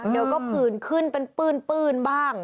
เดี๋ยวก็ผื่นขึ้นเป็นปื้นบ้าง